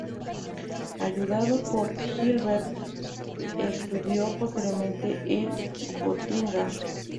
Ayudado por Hilbert, estudió posteriormente en Gotinga.